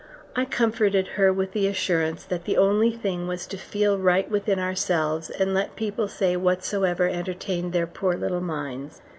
I comforted her with the assurance that the only thing was to feel right within ourselves, and let people say whatsoever entertained their poor little minds.